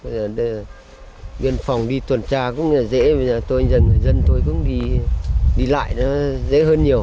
tuyến phòng đi tuần tra cũng dễ dân tôi cũng đi lại dễ hơn nhiều